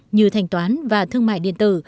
như thành toán và thương mại điện tử